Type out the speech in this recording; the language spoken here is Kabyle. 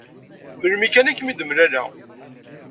Melmi kan i kem-id-mlaleɣ.